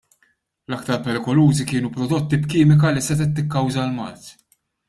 L-aktar perikolużi kienu prodotti b'kimika li setgħet tikkawża l-mard.